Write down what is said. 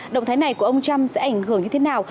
động thái này của ông trump sẽ ảnh hưởng như thế nào